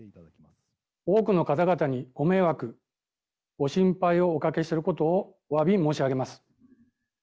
多くの方々にご迷惑、ご心配をおかけしていることをおわび申し上げます。